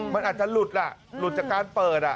มันอาจจะหลุดหลุดจากการเปิด